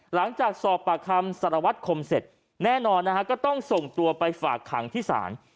หลังจากสอบปากคำสารวัตรคมเสร็จแน่นอนนะฮะก็ต้องส่งตัวไปฝากขังที่ศาล